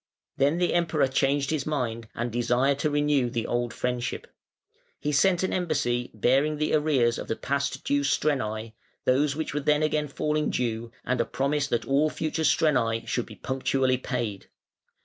Then the Emperor changed his mind, and desired to renew the old friendship. He sent an embassy bearing the arrears of the past due strenae, those which were then again falling due, and a promise that all future strenae should be punctually paid.